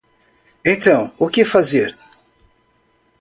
Então o que fazer